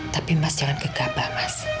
tapi mas jangan gegabah mas